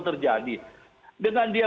terjadi dengan dia